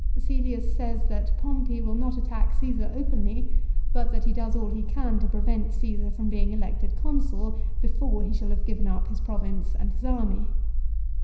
Cselius says that Pompey will not attack Caesar openly, but that he does all he can to prevent Caesar from being elected Consul before he shall have given up his province and his army.